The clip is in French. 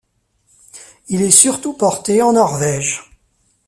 Il est surtout porté en Norvège.